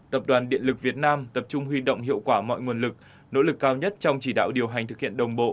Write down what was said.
tập đoàn điện lực việt nam tập trung huy động hiệu quả mọi nguồn lực nỗ lực cao nhất trong chỉ đạo điều hành thực hiện đồng bộ